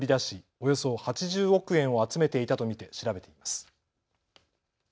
およそ８０億円を集めていたと見て調べています。